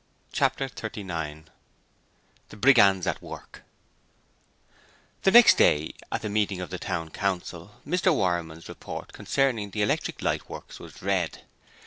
Chapter 39 The Brigands at Work The next day, at the meeting of the Town Council, Mr Wireman's report concerning the Electric Light Works was read.